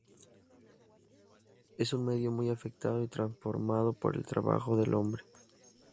Es un medio muy afectado y transformado por el trabajo del hombre.